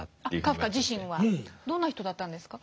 カフカ自身はどんな人だったんですか？